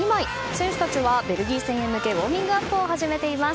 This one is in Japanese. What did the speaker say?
選手たちはベルギー戦へ向けウォーミングアップを始めています。